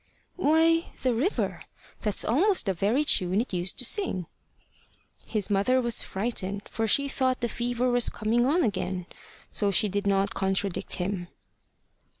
"Why, the river. That's almost the very tune it used to sing." His mother was frightened, for she thought the fever was coming on again. So she did not contradict him.